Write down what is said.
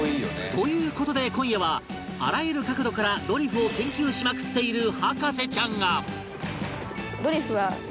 という事で今夜はあらゆる角度からドリフを研究しまくっている博士ちゃんが